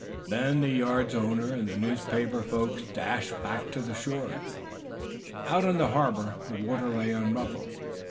Then the yard's owner and the newspaper folks dashed back to the shore. Out on the harbor the water lay unruffled.